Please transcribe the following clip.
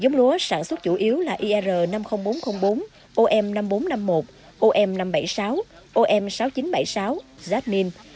giống lúa sản xuất chủ yếu là ir năm mươi nghìn bốn trăm linh bốn om năm nghìn bốn trăm năm mươi một om năm trăm bảy mươi sáu om sáu nghìn chín trăm bảy mươi sáu zadmin